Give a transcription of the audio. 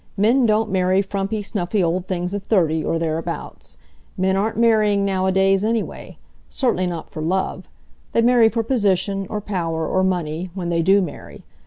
Men don't marry frumpy, snuffy old things of thirty, or thereabouts. Men aren't marrying now a days, anyway. Certainly not for love. They marry for position, or power, or money, when they do marry.